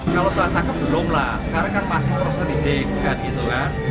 kalau salah tangkap belum lah sekarang kan masih harus terhidik kan gitu kan